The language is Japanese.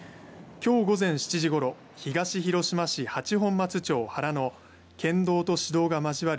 きょう午前７時ごろ東広島市八本松町原の県道と市道が交わる